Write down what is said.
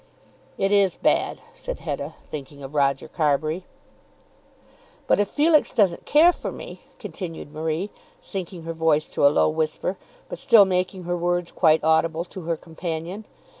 "It is bad," said Hetta, thinking of Roger Carbury. "But if Felix doesn't care for me!" continued Marie, sinking her voice to a low whisper, but still making her words quite audible to her companion.